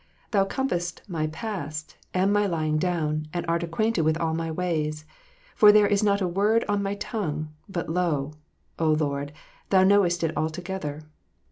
Thou compassest my path, and my lying down, and art acquainted with all my ways. For there is not a word in my tongue, but, lo, Lord, Thou knowest it altogether.